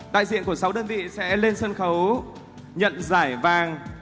đại diện của sáu đơn vị sẽ lên sân khấu nhận giải vàng